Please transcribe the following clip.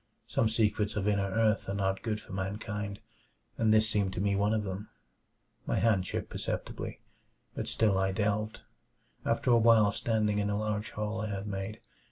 Some secrets of inner earth are not good for mankind, and this seemed to me one of them. My hand shook perceptibly, but still I delved; after a while standing in the large hole I had made.